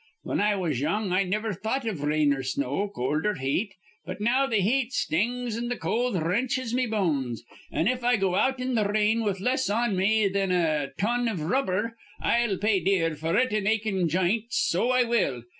Whin I was young, I niver thought iv rain or snow, cold or heat. But now th' heat stings an' th' cold wrenches me bones; an', if I go out in th' rain with less on me thin a ton iv rubber, I'll pay dear f'r it in achin' j'ints, so I will.